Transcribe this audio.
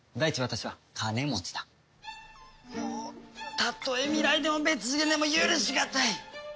たとえ未来でも別次元でも許しがたい！